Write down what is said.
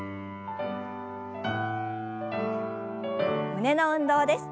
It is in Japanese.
胸の運動です。